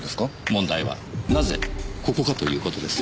問題はなぜここかという事です。